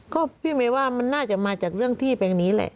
ก็พี่เมย์ว่ามันน่าจะมาจากเรื่องที่แปลงนี้แหละ